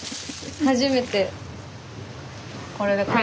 初めて。